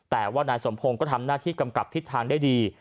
แต่ว่านายสมพงศ์ก็ทำหน้าที่กำกับทิศทางได้ดี